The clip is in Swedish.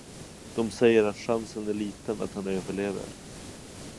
De säger att chansen är liten att han överlever.